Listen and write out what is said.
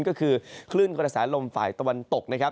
ก็คือคลื่นกระแสลมฝ่ายตะวันตกนะครับ